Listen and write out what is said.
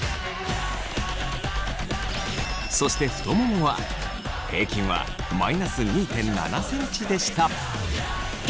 そして太ももは平均は−２．７ｃｍでした。